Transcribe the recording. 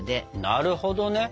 なるほどね。